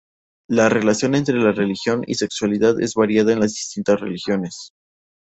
La relación entre religión y sexualidad es variada en las distintas religiones.